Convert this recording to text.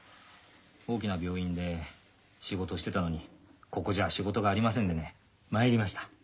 大きな病院で仕事してたのにここじゃ仕事がありませんでね参りました。